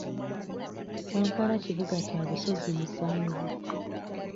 Kampala kibuga kya busozi musanvu